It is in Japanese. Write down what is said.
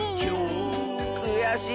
くやしい！